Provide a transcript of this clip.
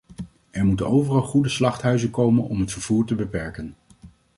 Er moeten overal goede slachthuizen komen om het vervoer te beperken.